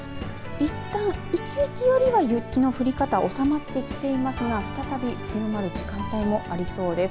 いったん、一時期よりは雪の降り方収まってきていますが再び強まる時間帯もありそうです。